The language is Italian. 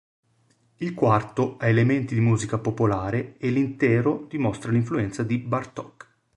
Il quarto ha elementi di musica popolare e l'intero dimostra l'influenza di Bartók.